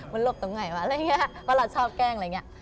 มันลบตรงไหนวะว่าเราชอบแกล้งอะไรอย่างนี้